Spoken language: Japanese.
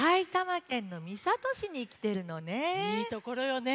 いいところよね。